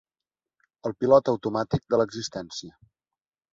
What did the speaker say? El pilot automàtic de l'existència.